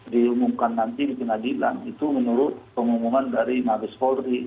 diumumkan nanti bisa dibilang itu menurut pengumuman dari magus ferdi